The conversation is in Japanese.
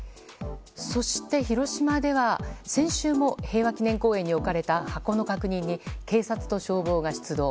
そして、広島では先週も平和記念公園に置かれた箱の確認に警察と消防が出動。